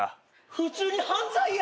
普通に犯罪や！